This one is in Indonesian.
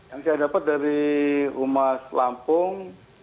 yang saya dapat dari humas lampung